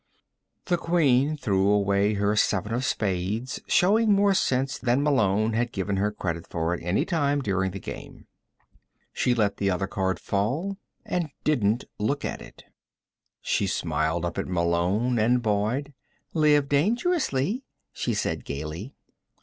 The Queen threw away her seven of spades, showing more sense than Malone had given her credit for at any time during the game. She let the other card fall and didn't look at it. She smiled up at Malone and Boyd. "Live dangerously," she said gaily.